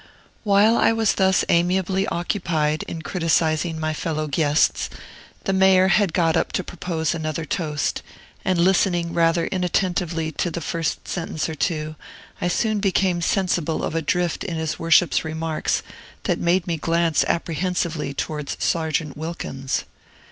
While I was thus amiably occupied in criticising my fellow guests, the Mayor had got up to propose another toast; and listening rather inattentively to the first sentence or two, I soon became sensible of a drift in his Worship's remarks that made me glance apprehensively towards Sergeant Wilkins.